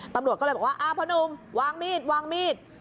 ตำรวจก็เลยบอกว่าอ้าวพ่อนุ่มวางมีดวางมีด